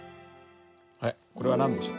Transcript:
はいこれは何でしょう？